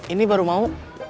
ini baru mau